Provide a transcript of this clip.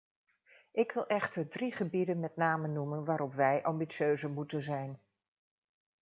Ik wil echter drie gebieden met name noemen waarop wij ambitieuzer moeten zijn.